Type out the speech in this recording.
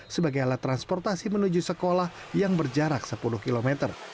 sebagai alat transportasi menuju sekolah yang berjarak sepuluh km